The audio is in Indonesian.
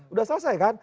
udah selesai kan